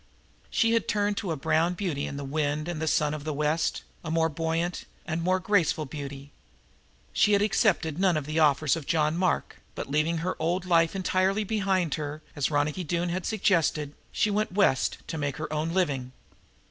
She had turned to a brown beauty in the wind and the sun of the West, a more buoyant and more graceful beauty. She had accepted none of the offers of John Mark, but, leaving her old life entirely behind her, as Ronicky Doone had suggested, she went West to make her own living.